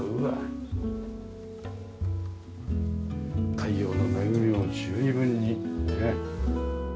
太陽の恵みを十二分にねえ。